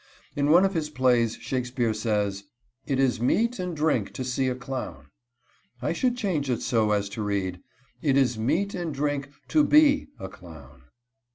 In one of his plays Shakespeare says: "It is meat and drink to see a clown." I should change it so as to read: "It is meat and drink TO BE _a clown.